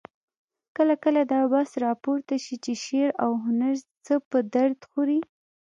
کله کله دا بحث راپورته شي چې شعر او هنر څه په درد خوري؟